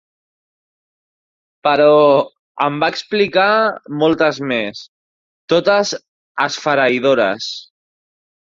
Però en va explicar moltes més, totes esfereïdores.